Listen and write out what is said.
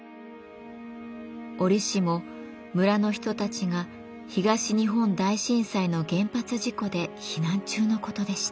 折しも村の人たちが東日本大震災の原発事故で避難中のことでした。